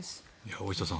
大下さん